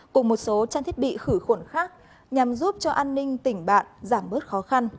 cùng một số trang thiết bị khử khuẩn khác nhằm giúp cho an ninh tỉnh bạn giảm bớt khó khăn